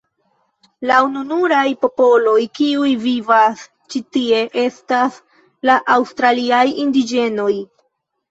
La ununuraj popoloj, kiuj vivas ĉi tie estas la aŭstraliaj indiĝenoj.